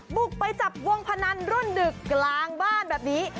บุกไปจับวงพนันรุ่นดึกกลางบ้านแบบนี้